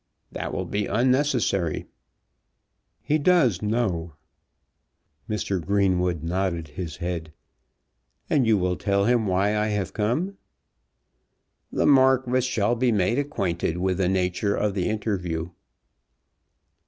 "That will be unnecessary." "He does know." Mr. Greenwood nodded his head. "And you will tell him why I have come?" "The Marquis shall be made acquainted with the nature of the interview."